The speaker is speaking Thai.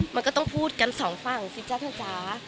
มันก็ต้องพูดกันสองฝั่งสิจ๊ะเธอจ๊ะ